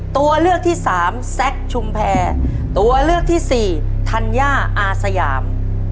ตัวเลือกที่สามแซคชุมแพรตัวเลือกที่สี่ธัญญาอาสยาม